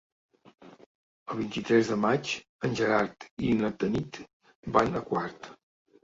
El vint-i-tres de maig en Gerard i na Tanit van a Quart.